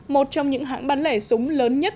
một trong những hãng bán lẻ súng lớn nhất